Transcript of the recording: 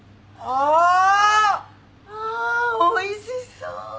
あおいしそ。